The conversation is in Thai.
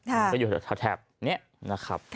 มันก็อยู่ตรงแถบนี่นะครับ